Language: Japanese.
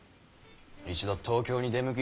一度東京に出向き